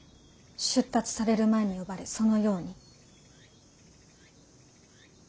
出立される前に呼ばれそのように。